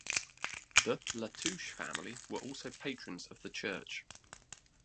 The La Touche Family were also patrons of the church.